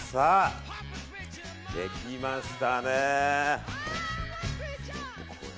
できましたね。